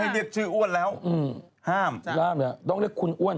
เดี่ยวชื่อมันเลย